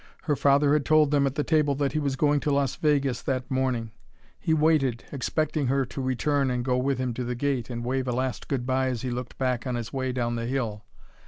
Her father had told them at the table that he was going to Las Vegas that morning. He waited, expecting her to return and go with him to the gate, and wave a last good bye as he looked back on his way down the hill.